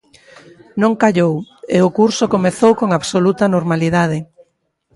Non callou, e o curso comezou con absoluta normalidade.